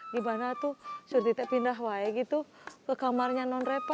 gimana tuh suruh kita pindah ke kamarnya non reva